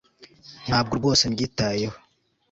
Ntabwo rwose mbyitayeho